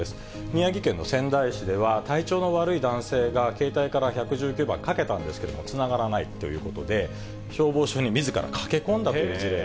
宮城県の仙台市では、体調の悪い男性が携帯から１１９番かけたんですけれども、つながらないということで、消防署にみずから駆け込んだという事例。